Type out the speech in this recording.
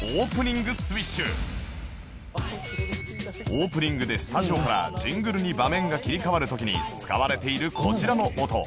オープニングでスタジオからジングルに場面が切り替わる時に使われているこちらの音